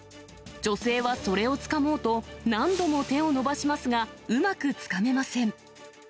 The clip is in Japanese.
女性はそれをつかもうと、何度も手を伸ばしますが、うまくつかめません。